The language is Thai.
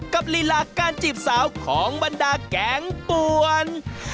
ลีลาการจีบสาวของบรรดาแกงป่วน